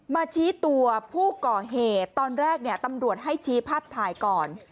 ชี้ตัวผู้ก่อเหตุตอนแรกเนี่ยตำรวจให้ชี้ภาพถ่ายก่อน